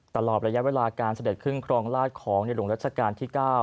ตลอดระยะเวลาการเสด็จขึ้นครองราชของในหลวงรัชกาลที่๙